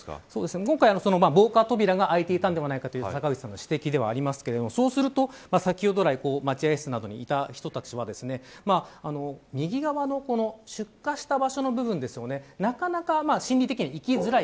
今回、防火扉が開いていたんではないかという指摘ですがそうすると待合室にいた人たちは右側の出火した場所の部分にはなかなか心理的には行きづらい。